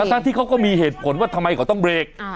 ทั้งที่เขาก็มีเหตุผลว่าทำไมเขาต้องเบรก